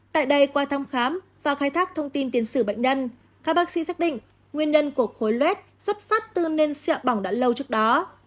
tại đây qua thăm khám và khai thác thông tin tiền sử bệnh nhân các bác sĩ xác định nguyên nhân của khối lot xuất phát từ nền xẹo bỏng đã lâu trước đó